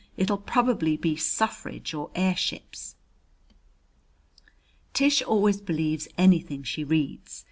It'll probably be suffrage or airships." Tish always believes anything she reads.